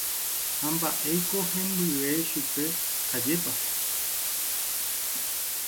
Ha mba'éiko hembyve chupe, ajépa.